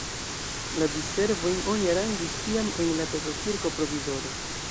La diservojn oni aranĝis tiam en la Petro-kirko provizore.